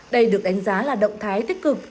đây được đánh giá là động thái tích cực